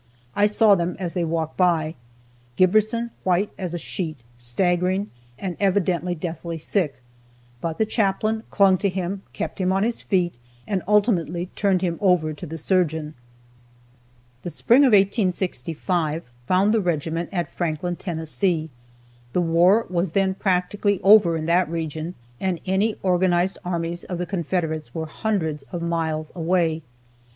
I saw them as they walked by, Giberson white as a sheet, staggering, and evidently deathly sick, but the chaplain clung to him, kept him on his feet, and ultimately turned him over to the surgeon. [Illustration: B. B. Hamilton Chaplain 61st Illinois Infantry.] The spring of 1865 found the regiment at Franklin, Tennessee. The war was then practically over in that region, and any organized armies of the Confederates were hundreds of miles away.